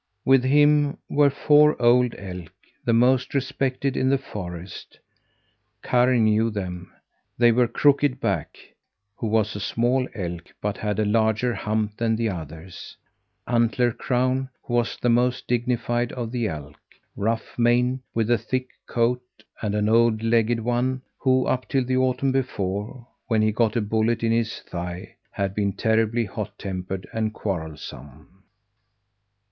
With him were four old elk the most respected in the forest. Karr knew them: They were Crooked Back, who was a small elk, but had a larger hump than the others; Antler Crown, who was the most dignified of the elk; Rough Mane, with the thick coat; and an old long legged one, who, up till the autumn before, when he got a bullet in his thigh, had been terribly hot tempered and quarrelsome.